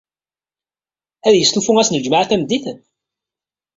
Ad yestufu ass n ljemɛa tameddit?